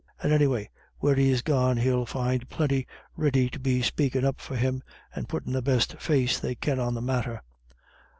And, anyway, where he's gone he'll find plinty ready to be spakin' up for him, and puttin' the best face they can on the matter."